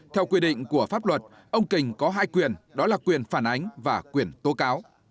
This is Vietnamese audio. theo quy định của pháp luật ông kình có hai quyền đó là quyền phản ánh và quyền tố cáo